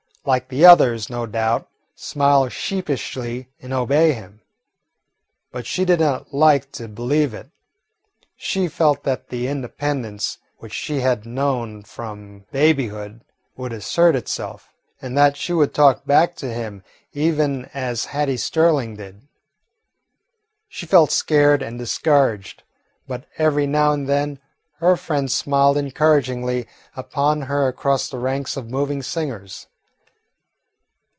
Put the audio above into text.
Like the others, no doubt, smile sheepishly and obey him. But she did not like to believe it. She felt that the independence which she had known from babyhood would assert itself, and that she would talk back to him, even as Hattie Sterling did. She felt scared and discouraged, but every now and then her friend smiled encouragingly upon her across the ranks of moving singers.